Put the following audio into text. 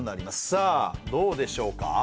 さあどうでしょうか？